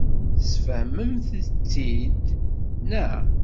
Tesfehmemt-t-id, naɣ?